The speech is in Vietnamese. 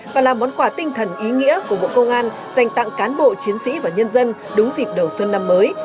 và là món quà tinh thần ý nghĩa của bộ công an dành tặng cán bộ chiến sĩ và nhân dân đúng dịp đầu xuân năm mới